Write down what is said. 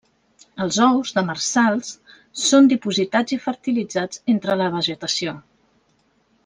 Els ous, demersals, són dipositats i fertilitzats entre la vegetació.